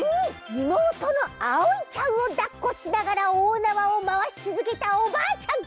いもうとのあおいちゃんをだっこしながらおおなわをまわしつづけたおばあちゃん。